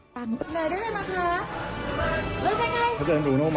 แล้วยังไงเราจะยังดูซ้อนอนดด้วย